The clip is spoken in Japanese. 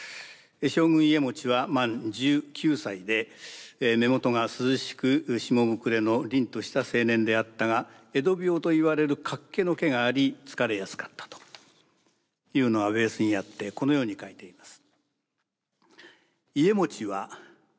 「将軍家茂は満１９歳で目元が涼しく下膨れの凛とした青年であったが江戸病といわれる脚気の気があり疲れやすかった」というのがベースにあってこのように書いています。